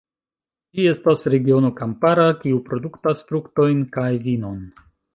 Ĝi estas regiono kampara, kiu produktas fruktojn kaj vinon.